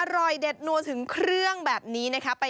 อร่อยเด็ดนัวถึงเครื่องแบบนี้นะคะ